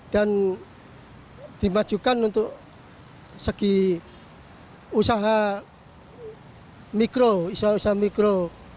dan dimajukan untuk segi usaha mikro usaha usaha mikro